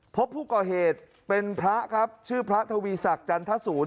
พบผู้ก่อเหตุชื่อพระธวีสักยนต์ศูนย์